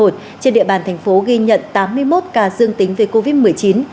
trên địa bàn thành phố ghi nhận tám mươi một ca dương tính về covid một mươi chín